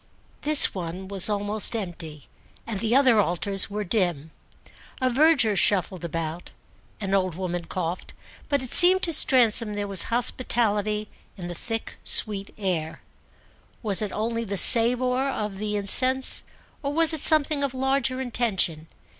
This one was almost empty and the other altars were dim; a verger shuffled about, an old woman coughed, but it seemed to Stransom there was hospitality in the thick sweet air. Was it only the savour of the incense or was it something of larger intention?